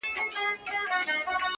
ته به پر ګرځې د وطن هره کوڅه به ستاوي-